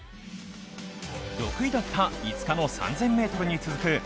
６位だった５日の３０００ｍに続く